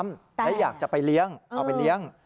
และอยากจะไปเลี้ยงเอาไปเลี้ยง